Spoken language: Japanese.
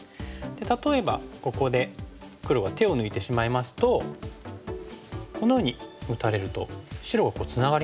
例えばここで黒が手を抜いてしまいますとこのように打たれると白がツナがりますよね。